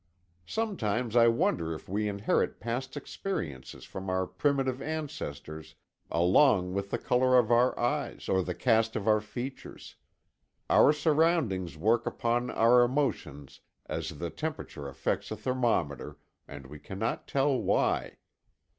Sometimes I wonder if we inherit past experiences from our primitive ancestors along with the color of our eyes or the cast of our features. Our surroundings work upon our emotions as the temperature affects a thermometer, and we cannot tell why.